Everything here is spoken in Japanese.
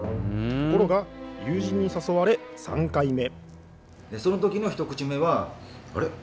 ところが友人に誘われ３回目。